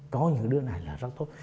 có những đứa này là rất tốt